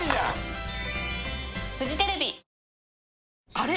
あれ？